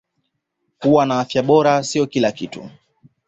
Kuwa na afya bora sio kila kitu